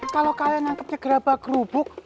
kalo kalian nangkepnya gerabak rubuk